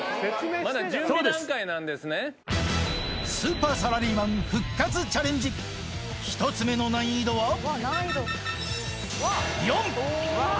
まだ準備段スーパーサラリーマン復活チャレンジ、１つ目の難易度は４。